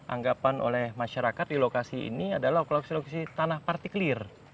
anggapan oleh masyarakat di lokasi ini adalah okuloksi okuloksi tanah partikelir